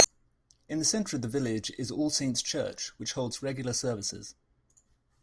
In the centre of the village is All Saints church which holds regular services.